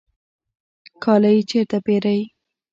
کالی چیرته پیرئ؟